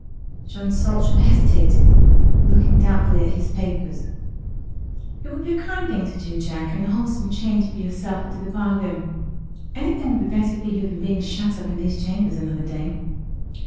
John Saltram hesitated, looking doubtfully at his papers. "It would be only a kind thing to do, Jack, and a wholesome change for yourself into the bargain. Anything would be better for you than being shut up in these chambers another day."